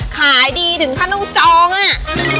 ขายดีถึงขั้นต้องจองอ่ะ